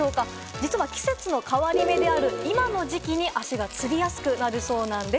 実は季節の変わり目である今の時期に足がつりやすくなるそうなんです。